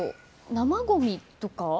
生ごみとか？